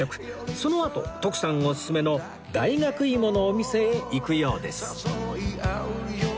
そのあと徳さんおすすめの大学芋のお店へ行くようです